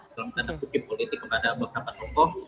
dalam tanda kutip politik kepada beberapa tokoh